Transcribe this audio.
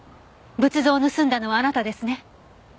仏像を盗んだのはあなたですね？